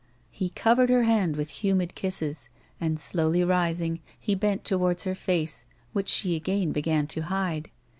He covered her hand with humid kisses, and, slowly rising, he bent towards her face, which she again began to hide.